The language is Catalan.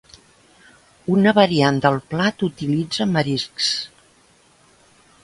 Una variant del plat utilitza mariscs.